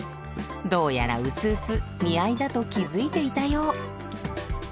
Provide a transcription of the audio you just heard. どうやら薄々見合いだと気付いていたよう。